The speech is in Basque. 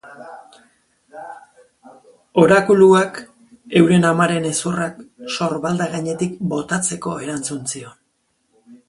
Orakuluak, euren amaren hezurrak sorbalda gainetik botatzeko erantzun zion.